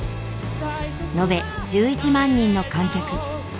延べ１１万人の観客。